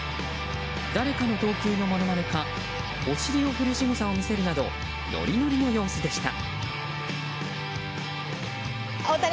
誰かの投球のものまねかお尻を振るしぐさを見せるなどノリノリの様子でした。